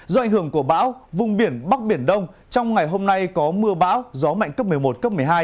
do ảnh hưởng của bão vùng biển bắc biển đông trong ngày hôm nay có mưa bão gió mạnh cấp một mươi một cấp một mươi hai